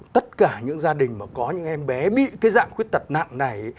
tất cả những gia đình mà có những em bé bị cái dạng khuyết tật nặng này